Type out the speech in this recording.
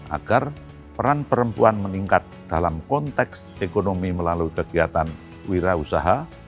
agar peran perempuan meningkat dalam konteks ekonomi melalui kegiatan wira usaha